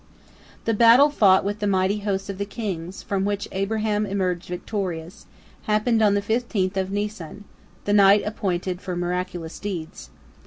" The battle fought with the mighty hosts of the kings, from which Abraham emerged victorious, happened on the fifteenth of Nisan, the night appointed for miraculous deeds.